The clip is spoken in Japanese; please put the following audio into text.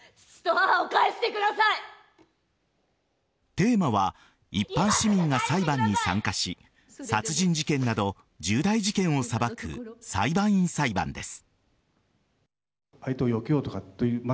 テーマは一般市民が裁判に参加し殺人事件など、重大事件を裁く裁判員裁判です。